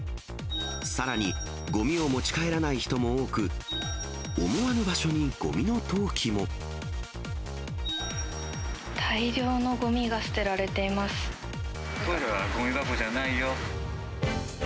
さらに、ごみを持ち帰らない人も多く、大量のごみが捨てられていまトイレはごみ箱じゃないよ。